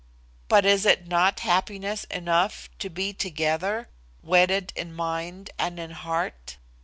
But is it not happiness enough to be together, wedded in mind and in heart?